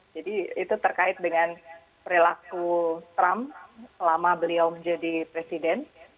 jadi itu terkait dengan perilaku trump selama beliau menjadi presiden